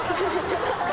「ハハハハ！